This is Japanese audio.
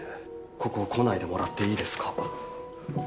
ここ来ないでもらっていいですか？